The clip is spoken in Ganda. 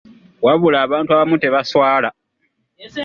Wabula abantu abamu tebaswala!